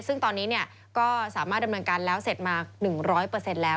ซึ่งตอนนี้ก็สามารถดำเนินการแล้วเสร็จมา๑๐๐แล้ว